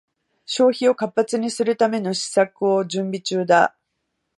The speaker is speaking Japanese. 消費を活発にするための施策を準備中だ